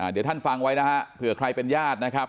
เดี๋ยวท่านฟังไว้นะฮะเผื่อใครเป็นญาตินะครับ